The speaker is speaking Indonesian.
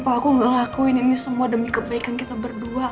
aku ingin ini semua demi kebaikan kita berdua